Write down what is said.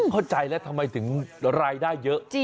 เข้าใจแล้วทำไมถึงรายได้เยอะ